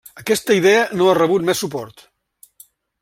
Aquesta idea no ha rebut més suport.